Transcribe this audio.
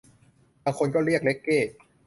บางคนก็เรียกเร็กเก้